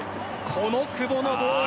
この久保のボール。